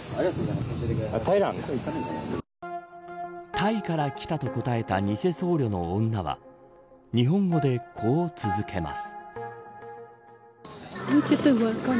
タイから来たと答えた偽僧侶の女は日本語でこう続けます。